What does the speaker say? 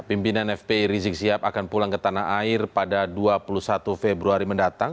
pimpinan fpi rizik sihab akan pulang ke tanah air pada dua puluh satu februari mendatang